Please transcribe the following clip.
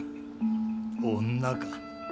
女か。